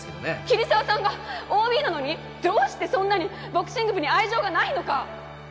桐沢さんがＯＢなのにどうしてそんなにボクシング部に愛情がないのか！